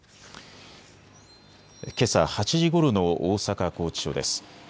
けさ８時ごろの大阪拘置所です。